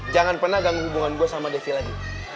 jangan pernah ganggu hubungan gue sama devi lagi